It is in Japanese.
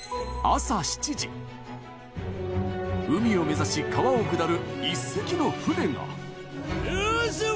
朝７時海を目指し川を下る一隻の船が。